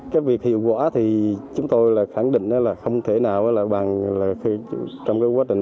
cái việc hiệu quả thì chúng tôi là khẳng định là không thể nào là bằng trong cái quá trình